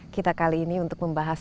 kita kali ini untuk membahas